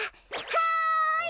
はい！